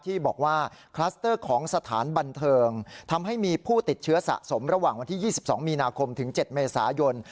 ที่บอกว่าคลัสเตอร์ของสถานบันเทิงทำให้มีผู้ติดเชื้อสะสมระหว่างวันที่๒๒มีนาคมถึง๗เมษายน